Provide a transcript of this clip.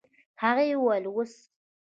هغې وويل اوس.